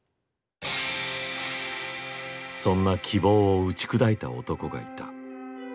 そんな希望を打ち砕いた男がいた。